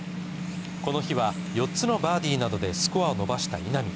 この日は４つのバーディーなどでスコアを伸ばした稲見。